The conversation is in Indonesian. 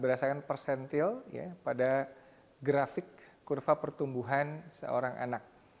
berdasarkan persentil pada grafik kurva pertumbuhan seorang anak